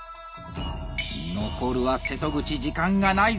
残るは瀬戸口時間がないぞ！